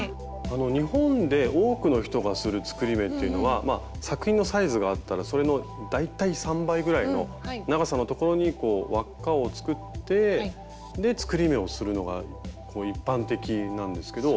日本で多くの人がする作り目っていうのは作品のサイズがあったらそれの大体３倍ぐらいの長さのところにこう輪っかを作って作り目をするのが一般的なんですけど。